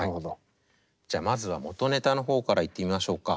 じゃまずは元ネタの方からいってみましょうか。